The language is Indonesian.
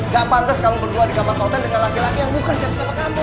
gak pantas kamu berdua di kamar konten dengan laki laki yang bukan siapa kamu